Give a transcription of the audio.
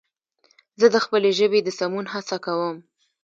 زه د خپلې ژبې د سمون هڅه کوم